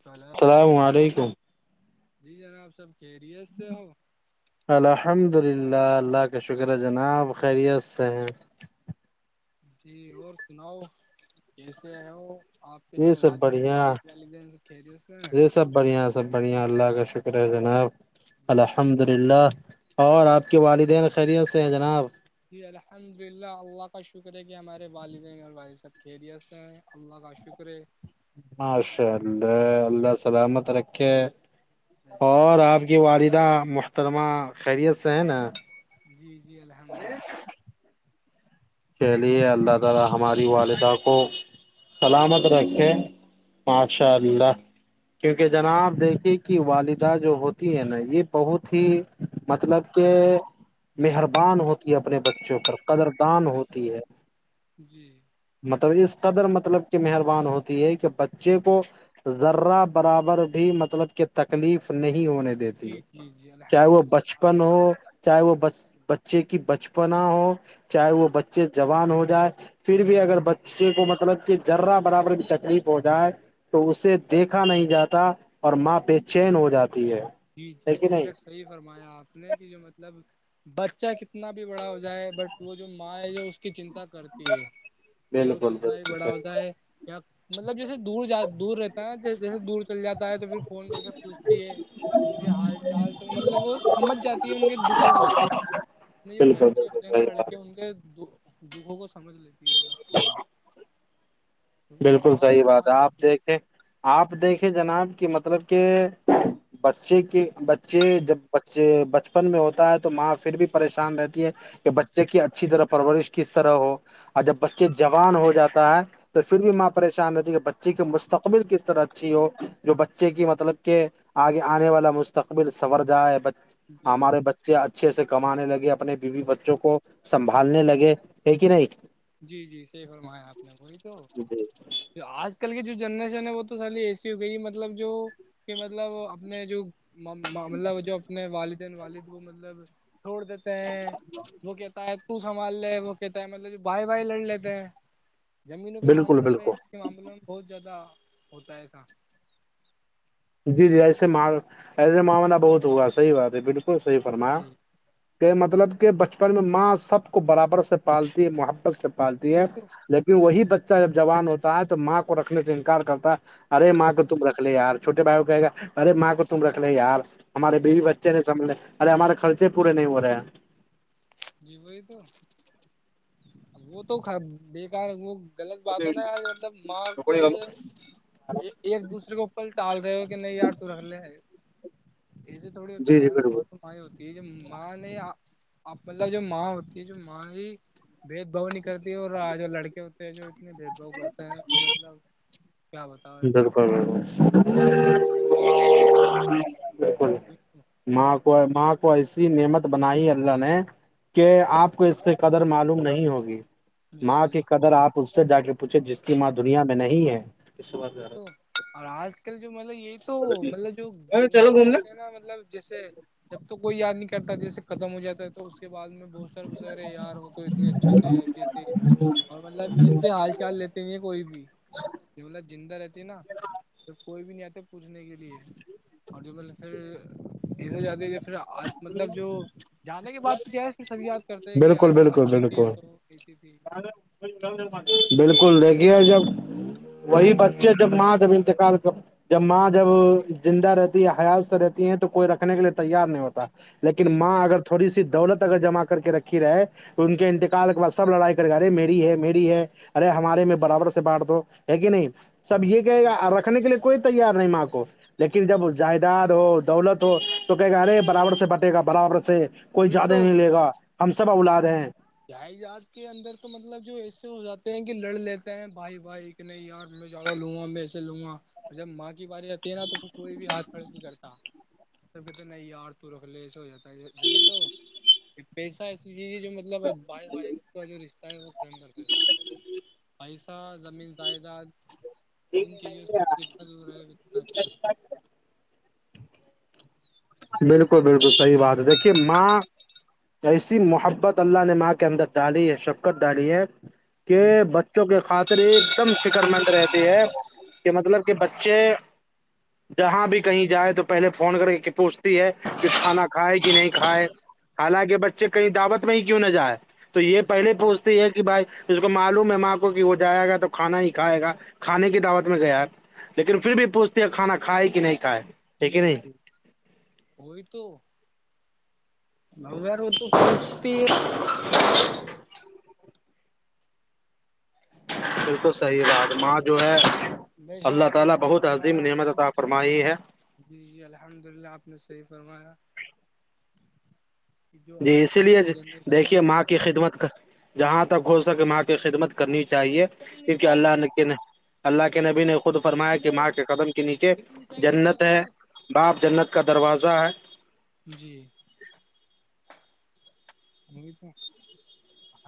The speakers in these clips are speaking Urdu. سل علیکم السلام علیکم جی جنابپ سب کیریئر سے ہو الحمد للہ اللہ کا شکرہ جناب خیریت سے ہیں جی اور سناؤ کیسے ہے وہ آپ کے یہ جو سب وال بڑھیا والد والد جو س کھیری اس ہیں نا یہ سب بڑھیا سب بڑھیا اللہ کا شکر ہے جناب الحمد للہ اور آپ کے والدین خیریوں سے ہیں جناب جی الحمد للہ اللہ کا شکر ہے کہ ہمارے والدین اور والد صحب خھیریت سے ہیں اللہ کا شکر ہے ماشاء اللہ اللہ سلامت رکھے اور آپ کہ والدہ محترمہ خیریت سے ہیں نا جی- جی الحمد للہ کے لیے اللہ تعالی ہماری والدہ کو- سلامت رکھیں ماشاء اللہ کیونکہ جناب دیکھیے کہ والدہ جو ہوتی ہے نا یہ بہت ہی مطلب کہ جی مہربان ہوتی ہے اپنے بچوں پر قدردان ہوتی ہے جی مطلب اس قدر مطلب کہ مہربان ہوتی ہے کہ بچے کو ذرہ برابر بھی مطلب کہ تکلیف نہیں ہونے دیتے جی جی جی چاہے وہ الحمد بچپن للہ ہو چاہے وہ بچے کی بچپنا ہو چاہے وہ بچے جوان ہو جائے پھر بھی اگر بچے کو مطلب کہ جرہ برابر کی تکلیف ہو جائے تو اسے دیکھا نہیں جاتا اور ماں بے چین ہو جاتی ہے جی جی ہے کہ بے نہیں شک صحیح فرمایا آپ نے کہ جو مطلب بچہ کتنا بھی بڑا ہو جائے بٹ وہ جو ماں ہے جو اس کی چنتا کرتی ہے کیا وہ بالکل کتنا بھی بالکل بڑا ہوتا صحیح ہے کیا مطلب جیسے دور ج دور رہتا ہے ن جیسے دور چل جاتا ہے تو پھر فون کر کے پوچھتی ہے ان کے حال چال تو مطلب وہ سمجھ جاتی ہے ان کے دکھوں کو اتنے جو بالکل بچے بالکل ہوتے ہیں نا صحیح بات لڑکے ان کے دو- دکھوں کو سمجھ لیتی ہے ماں کیونکہ بالکل ماں صحیح تو بات ماں ہے آپ ہوتی دیکھیں آپ دیکھے جناب کہ مطلب کہ بچے کے بچے جب بچے بچپن میں ہوتا ہے تو ماں پھر بھی پریشان رہتی ہے کہ بچے کی اچھی طرح پرورش کس طرح ہو اور جب بچے جوان ہو جاتا ہے تو پھر بھی ماں پریشان رہتی کہ بچی کے مستقبل کس طرح [unintelligible] ا ہو جو بچے کی مطلب کہ آگے آنے والا مستقبل سنور جائےائے جی ہمارے بچے اچھے سے کمانے لگے اپنے بیوی جی بچوں کو سنبھالنے لگے ہے کہ نہیں [unintelligible] جی جی سی فرمایا آپ نے بولی تو [unintelligible] جی [unintelligible] آج کل کی جو جنریشن ہے وہ تو سے ایسی ہو گئی ہے مطلب جو کہ مطلب اپنے جو مطلب جو اپنے والدین والد وہ مطلب تھوڑ وہ کہتا ہے تو سنبھال لے وہ کہتا ہے مطلب جو بھائی بھائی لڑ لیتے ہیں زمینوں کے بالکل معاملوں میں بالکل اس کے معاملوں میں بہت زیادہ ہوتا ہے ایسا جی جی ایسے ایسے معاملہ بہت ہوا صحیح بات ہے بالکل صحیح فرمایا جی کہ مطلب کہ بچپن میں ماں سب کو برابر سے پالتی ہے محبت سے پالتی ہے وہی تو لیکن وہی بچہ جب جوان ہوتا ہے تو ماں کو رکھنے سے انکار کرتا ہے ارے جی ماں کو تم رکھ لے یار چھوٹے بائی کو کہے گا ارےاں کو تم رکھ لے یار ہمارے بیوی جی بچے نے [unintelligible] مج ارے ہمارے خرچے پورے نہیں ہو رہے ہیں [unintelligible] جی بئی تو [unintelligible] وہ تو بےیکار وہ غلط بات ہے نا ار مطلب ماں کو ایسے یہ ایک دوسرے کو اوپل ٹال رہے ہو کہ نہیں یار تو رکھ لے ای سی تھوڑی ہوتا جی جی ہے بالکل ار ہوتی ہے جو ماں نے اپلہ جو ماں ہوتی ہے جو ماں ہی بھید بھاؤ نہیں کرتی اور جو لڑکے ہوتے ہیں جو اتنے بھید بھؤ کرتے ہیں مطلب کیا بالک بتاؤ بالکل [unintelligible] ٹھ تو [unintelligible] ماں کو ماں کو ایسی نعمت بنائی اللہ نے کہ آپ کو اس کی قدر معلوم نہیں ہوگی ماں جی کی قدر آپ اس سے جا کے پوچھے جس کی ماں دنیا میں نہیں ہے وہ تو اور آج کل جو مطلب یہی تو مطلب جو دنیا میں رہتے ہیں نا مطلب جیسے جب تو کوئی یاد نہیں کرتا جیسے ختم ہو جاتا ہے [unintelligible] تو اس کے بعد میں بوسر وسرے یار ہو تو اتنے اچھے تھے ایسے تھے [unintelligible] اور مطلب اس سے حال چال لیتے نہیں ہیں کوئی بھی ج بول زندہ رہتی نا [unintelligible] پھر کوئی بھی نہیں آتا پوچھنے کے لیے اور جو مطب پھر [unintelligible] ایسے جاتے پھر مطلب جو جانے کے بع تو کیا ہے پ سب یاد کرتے ہیں کہ بالکل یار بالکل اچھی تھی ہے بالکل تو [unintelligible] وہ ایسی تھی اللہ کا کرے بالکل گے دیکھیے جب وہی جب ماں جب انتقال کر جب ماں جب زندہ رہتی ہے حیات سے رہتی ہے تو کوئی رکھ [unintelligible] کے لیے تیار نہیں ہوتا لیکن جی ماں اگر تھوڑی سی دولت اگر جمع کر کے رکھی رہے کہ ان کے انتقال کے بعد سب لڑائی کر کے ارے میری ہے میری ہے ارے ہمارے میں برابر سے بانٹ دو ہے کہ نہیں سب یہ کہے جی گا رکھنے کے لیے کوئی تیار نہیں ماں کو لیکن جب جی جائیداد ہو دولت تو کہ گ ارے برابر سے بٹے گا برابر سے کوئی وہی زیادہ تو نہیں لے گا [unintelligible] ہم سب اولاد ہیں [unintelligible] جائ جاد کے اندر تو مطلب جو ایسے ہو جاتے ہیں کہ لڑ لیتے ہیں بھائی بھائی کہ نہیں یار میں جا لوں گا میںے لوں گا اور جب ماں کی باری آتی ہے نا تو پھر کوئی بھی ہاتھ پھڑ نہیں کرتا سب کت نہیں یار ت رخ لیس ہو جاتی سبھی تو ایک پیسہ ایسی چیز ہے جو مطلب بائ بائ اس کا جو رشتہ ہے وہ قائم کر دیتا ہے پسہ زمین جائیداد ان چیزوں سے جتنا دور رہے اتنا اچھا بالکل بالکل صحیح بات ہے دیکھیے ماں ایسی محبت اللہ نے ماں کے اندر ڈالی یہ شب کر ڈالی ہے کہ بچوں کی خاطر ایک دم فکر مند رہتی ہے کہ مطلب کہ بچے جہاں بھی کہیں جائے تو پہلے فون کرے پوچتی ہے کہ کھانا کھائے کہ نہیں کھائے حالانکہ بچے کہیں دعوت میں ہی کیوں نہظرئے تو یہ پہلے پوچتے ہے کہ بھائی اس کو معلوم ہے ماں کو کہ وہ جائے گا تو کھانا ہی کھائے گا کھانے کی دعوت میں گیا ہے لیکن پھر بھی پوچھتی ہیں کھا کھائے کہ نہیں کھائے ہے جی کہ نہیں جی وہی تو بغیر وہ تو بلکل صحیح بات ہے ماں جو ہے بے شک اللہ آپ نے تعالی صحیح بہت عظیم فرمایا نعمت عطا فرمائی ہے جی جی الحمد للہ آپ نے صحیح فرمایا کہ جو جی آج کل اسی لیے کی جنریشن ہے دیکھیے وہ ماں کی خدمت جہاں تک ہو سکے ماں کی خدمت کرنی چاہیے کیونکہ نیچے اللہ آئیے نے اللہ کے نبی نے خود فرمایا کہ میں ماں کے قدم کے نیچے گیٹ جنت لگا ہے لی باپ جنت کا دروازہ ہے جی نہیں تو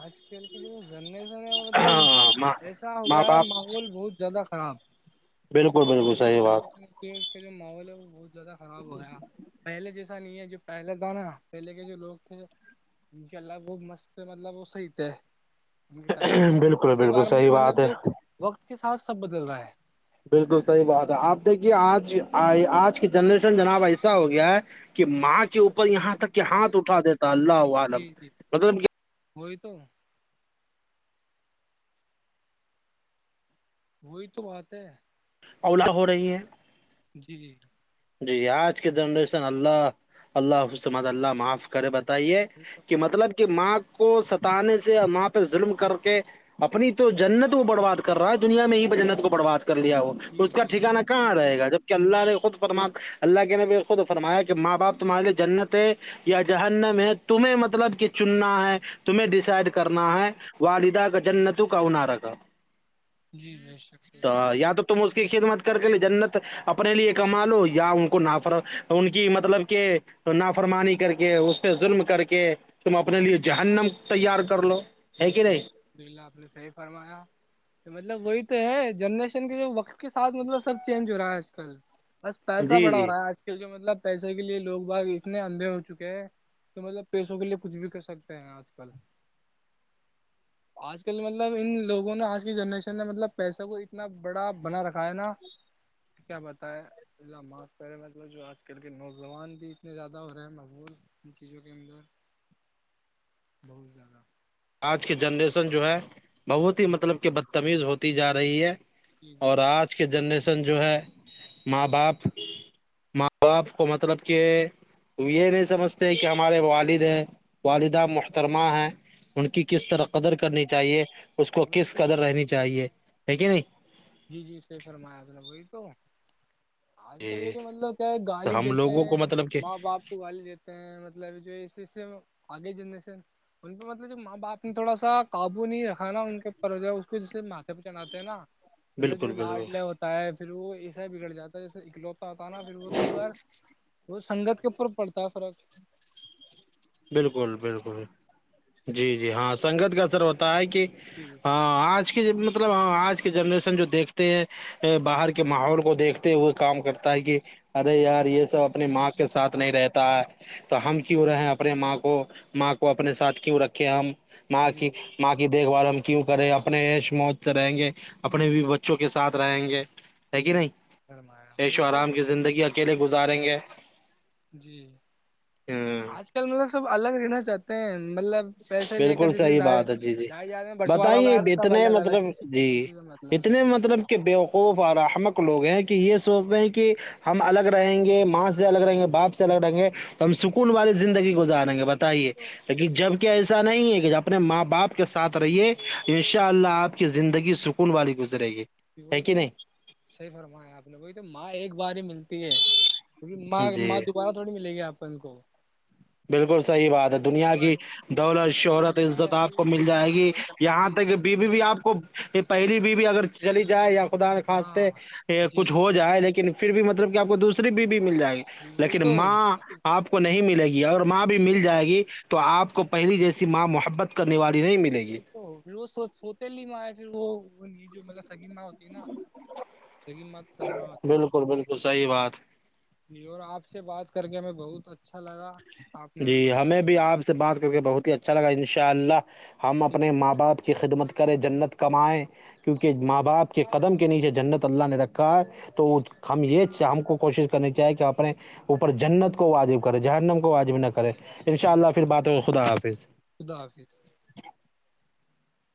آج کل جو جنے سےنے وہ مطلب ماں ایسا ہو ماں گیا ہے باپ ماحول بہت زیادہ خراب بالکل آج بالکل کل صحیح بات کیش کا جو ماحول ہے وہ بہت زیادہ خراب ہو گیا ہے پہلے جیسے ایسا نہیں ہے جو پہلے تھا نا پہلے کے جو لوگ تھے انشاء اللہ وہ مست مطلب وہ صحیح تھے میرے ٹائم میں جو اب بالکل کے بالکل بارے میں جو صحیح بات مطلب ہے جو وقت کے ساتھ سب بدل رہا ہے بالکل صحیح بات ہے آپ دیکھیے آج آج کی جنریشن جناب ایسا ہو گیا ہے کہ ماں کے اوپر یہاں تک کہ ہاتھ اٹھا دیتا اللہ جی عالم جی مطلب کہ وہی تو وہی تو بات ہے اولا ہو رہی ہے جی جی جی آج کے جنریشن اللہ اللہ حسمت اللہ معاف کرے بتائیے کہ مطلب کہ ماں کو ستانے سے اور ماں پہ ظلم کر کے اپنی تو جنت کو برباد کر رہا ہے دنیا میں ہی جنت کو برباد کر لیا وہ جی اس کا جی بے ٹھانا شک وہی کہاں تو۔ رہے گا جب کہ اللہ نے خود فرما اللہ کے نبی خود فرمایا کہ ماں باپ تمہارے لئے جنت ہے یا جہنم ہے تمہیں مطلب کہ چننا ہے تمہیں ڈیسائڈ کر کرنا ہے والدہ کا جننتو کا ہوناارکھا جی بے شک صحیح فرمایا اس کی خدمت کر کے لے جنت اپنے لیے ایک کما لو یا ان کو نہافرو ان کی مطلب کہ تو نافرمانی کر کے اس سے ظلم کر کے تم اپنے لیے جہنم تیار کر لو جی ہے کہ جی نہیں الد للہ آپ نے صحیح فرمایا مطلب وہی تو ہے جنریشن کے جو وقت کے ساتھ مطلب سب چینج ہو رہا ہے آج کل بس پیسہ جی بڑا ہو جی رہا ہے آج کل کے مطلب پیسے کے لیے لوگ بار اتنے اندھے ہو چکے ہیں تو مطلب پیسوں کے لیے کچھ بھی کر سکتے ہیں آج کل آج کل مطلب ان لوگوں نے آج کی جنریشن نے مطلب پیسہ کو اتنا بڑا بنا رکھا ہے نا کیا بتائے ماس پہے مطلب جو آج کل کے نوجوان بھی اتنے زیادہ ہو رہے ہیں مضبور ان چیزوں کے اندر بہت زیادہ آج کی جنریسن جو ہے بہت ہی مطلب کہ بدتمیز ہوتی جا رہی ہے جی جی اور بے آج شک کے جنریشن جو ہے ماں باپ ماں باپ کو مطلب کہ تو یہ نہیں سمجھتے کہ ہمارے والد ہیں والدہ محترمہ ہیں ان کی کس طرح قدر کرنی چاہیے اس کو وہی کس تو قدر رہنی چاہیے ٹھیک ہے نہیں جی جی اس پہ فرمایالہ وہی تو آج کل کا تو مطلب کہ گالی تو ہم دیتے لوگوں کو ہیں مطلب کہ ماں باپ ابال لیتے ہیں مطلب جو سے آگے جنریسن ان کا مطلب جو ماں باپ نے تھوڑا سا قابو نہیں رکھا نا ان کے پروجائے اس کو جسے ماتھے پہ چلاتے ہیں نا مطلب جو بالکل بالکل لاڈلے ہوتا ہے پھر وہ ایسے بگڑ جا ہے جیسے اکلو آتا نا پھر وہ تو یار وہ سنگت کے اوپر پڑتا ہے فرق بالکل بالکل جی جی ہاں سنگت کاثر ہوتا ہے کہ جی ہاں آج کی مطلب ہ آج کی جنریشن جو دیکھتے ہیں باہر کے ماحول کو دیکھ ہوئے کام کرتا ہے کہ ارے یار یہ سب اپنی ماں کے ساتھ نہیں رہتا ہے تو ہم کیوں رہے اپنے ماں کو ماں کو اپنے ساتھ کیوں رکھے ہم ماں کی جی ماں کییکھ بھال ہم کیوں کریں اپنے ایش موت سے رہیں گے اپنے بھی بچوں کے ساتھ رہیں گے ہے کہ جی نہیں فرمایا وہی یشو تو آرام کی زندگی کےلے گزاریں گے جی ہ آج کل مطلب سب الگ رہنا چاہتے ہیں مطلب پیسے لے کر بالکل جیسے صحیح جائی بات ہے جی جی ج رہ میں بٹوارا ہو بتائیے گیا تو سب اتنے الگ مطلب الگ کسی کو جی کسی کا مط اتنے مطلب کہ بیوقوف اورحمک لوگ ہیں کہ یہ سوچتے ہیں کہ ہم الگ رہیں گے ماں سے الگ رہیں گے باپ سے الگ رہیں گے تو ہم سکون والی زندگی گزاریں گے بس وہی آئیے تو لیکن جب ایسا نہیں ہے کہ جب اپنے ماں باپ کے ساتھ رہیے ان شاء اللہ آپ کی زندگی سک کو والی گزرے گی ہے وہی کہ تو نہیں صحی فرمایا آپ نے وہی تو ماں ایک بار ہی ملتی ہے کیونکہ ماں جی ماں دوبارہ تھوڑی ملے گی آپ ان کو بالکل صحیح بات ہے ہاں ایک دنیا بار کی ہی، دولت اس لیے جو شہرت ماں عزت ہے آپ کو ابھی تو مل ان جائے گی قدر کرنا یہاں چاہیے تک کہ انشاء بیوی اللہ بھی آپ کو یہ پہلی بھی بھی اگر چلی جائے یا ہاں خداخواستہ جی کچھ ہو جائے لیکن پھر بھی مطلب کہ آپ کو دوسری بیوی مل جائے گی جی وہی لیکن تو وہی ماں آپ کو نہیں ملے گی اور ماں بھی مل تو جائے گی تو آپ کو پہلی جیسی ماں محبت کرنے والی نہیں ملتی ھر وہ سوتے لی مایا پھر وہ جو مطلب سگی م ہوتی نا سگ م بالکل بالکل صحی بات جی اور آپ سے بات کر کے ہمیں بہت اچھا لگا آپ نے جی بتایا ہمیں بھی آپ سے بات کر کے بہت ہی اچھا لگا ان شاء اللہ ہم اپنے ماں باپ کی خدمت کریں جنت کمائیں کیونکہ ماں باپ کے قدم کے نیچے جنت اللہ نے رکھا ہے تو جی ہم یہ ہم کو کوشش کرنی چاہے کہ اپنے اوپر جنت کو واجب کرے جہرنم کو واجب نہ کرے ان شاء جی اللہ پھر بات ہو خدا حافظ خدا حافظ